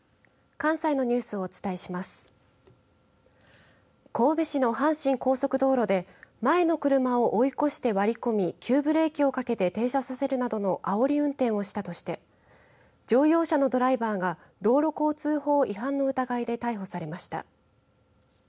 神戸市の阪神高速道路で前の車を追い越して割り込み急ブレーキをかけて停車させるなどのあおり運転をしたとして乗用車のドライバーが道路交通法違反の疑いで逮捕されました。